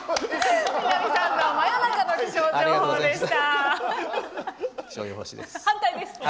南さんの真夜中の気象情報でした。